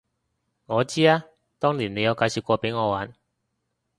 我知啊，當年你有介紹過畀我玩